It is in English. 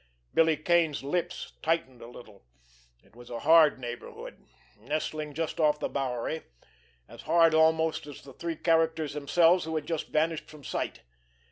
Billy Kane's lips tightened a little. It was a hard neighborhood, nestling just off the Bowery—as hard almost as the three characters themselves who had just vanished from sight.